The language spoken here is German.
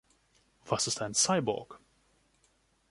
Was ist ein Cyborg?